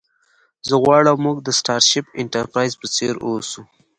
خو زه غواړم موږ د سټارشیپ انټرپریز په څیر اوسو